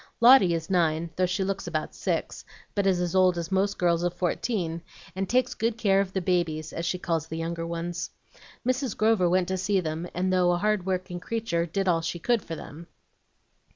"Lotty is nine, though she looks about six, but is as old as most girls of fourteen, and takes good care of 'the babies,' as she calls the younger ones. Mrs. Grover went to see them, and, though a hard working creature, did all she could for them.